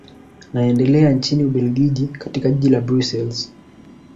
naendelea nchini ubelfiji katika jijini la brussels